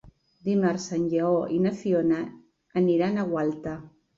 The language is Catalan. Dimarts en Lleó i na Fiona aniran a Gualta.